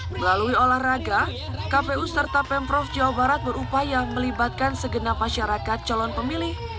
melalui olahraga kpu serta pemprov jawa barat berupaya melibatkan segenap masyarakat calon pemilih